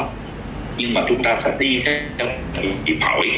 thì chúng ta không đủ tiền để quảng cáo cái đó